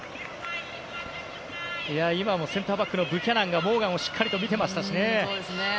今もセンターバックのブキャナンがモーガンをしっかりと見ていましたしね。